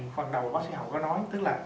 phần đầu bác sĩ hậu có nói tức là